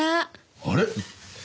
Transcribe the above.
あれ？